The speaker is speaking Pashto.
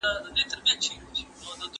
¬ پسله گوزه، چار زانو ناسته؟